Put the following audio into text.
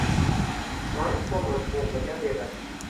Soʻng toʻngʻich oʻgʻliga dedi.